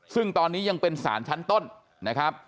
ซึ่งตอนนี้ยังเป็นสารชั้นต้นนะครับ